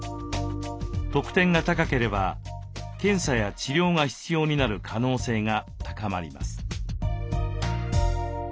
得点が高ければ検査や治療が必要になる可能性が高まります。